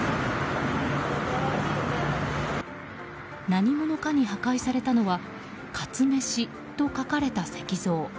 何者かに破壊されたのはかつめしと書かれた石像。